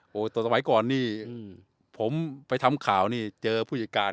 โอ้โหตอนสมัยก่อนนี่ผมไปทำข่าวนี่เจอผู้จัดการ